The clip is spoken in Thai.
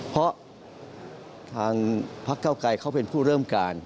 เพราะทางพักเก้าไกรเขาเป็นผู้เริ่มการ